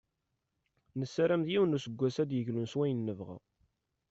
Nessaram d yiwen n useggas ara d-yeglun s wayen nebɣa.